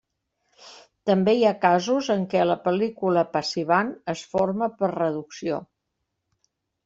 També hi ha casos en què la pel·lícula passivant es forma per reducció.